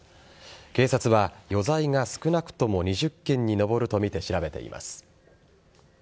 警察は、余罪が少なくとも２０件に上るとみて調べています。